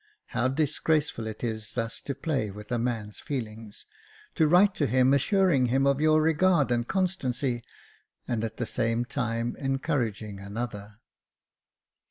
How disgraceful is it thus to play with a man's feelings — to write to him, assuring him of your regard and constancy, and at the same time encouraging another."